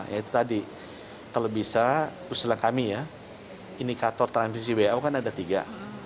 ya itu tadi kalau bisa usulan kami ya indikator transisi who kan ada tiga